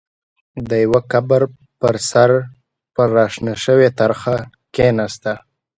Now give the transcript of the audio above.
د يوه قبر پر سر پر را شنه شوې ترخه کېناسته.